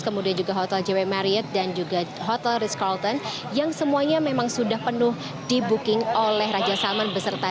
kemudian juga hotel jw marriot dan juga hotel ritz carlton yang semuanya memang sudah penuh di booking oleh raja salman beserta